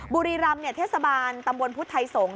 บุรีรำเนี่ยเทศบาลตำบวนพุทธไทยสงฯ